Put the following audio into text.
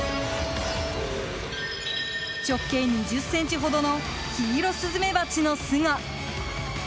直径２０ｃｍほどのキイロスズメバチの巣が。